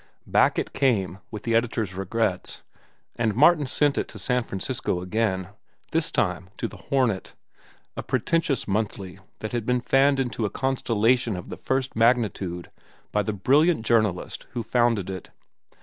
Back it came, with the editor's regrets, and Martin sent it to San Francisco again, this time to The Hornet, a pretentious monthly that had been fanned into a constellation of the first magnitude by the brilliant journalist who founded it.